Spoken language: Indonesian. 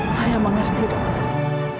saya mengerti dokter